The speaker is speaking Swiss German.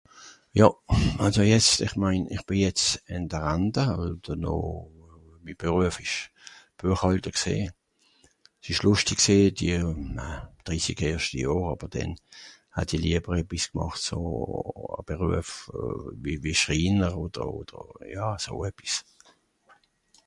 Jà, àlso jetz, ìch mein, ìch bì jetz in de Ranta un deno, mi Berüef ìsch Buechhàlter gsì. S ìsch luschti gsì die drissig erschte Johr àber denn hat i lieber ebis gmàcht so a Berüef euh wie Schriener oder, oder ja, so ebis